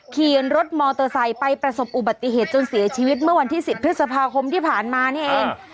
ขี่รถมอเตอร์ไซค์ไปประสบอุบัติเหตุจนเสียชีวิตเมื่อวันที่๑๐พฤษภาคมที่ผ่านมานี่เอง